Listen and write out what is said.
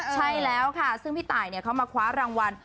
ใช่แล้วค่ะซึ่งพี่ตายเขามาคว้ารางวัล